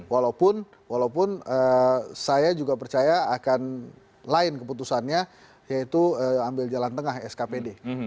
walaupun saya juga percaya akan lain keputusannya yaitu ambil jalan tengah skpd